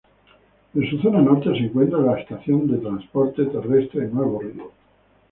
En su zona norte se encuentra la Estación de Transporte Terrestre Nuevo Río.